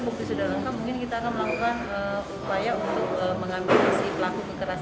mungkin sudah lengkap mungkin kita akan melakukan upaya